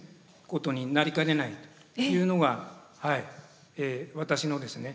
ことになりかねないというのが私のですね